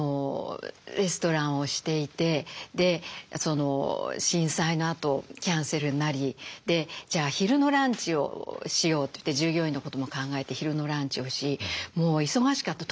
レストランをしていてで震災のあとキャンセルになりじゃあ昼のランチをしようといって従業員のことも考えて昼のランチをしもう忙しかった。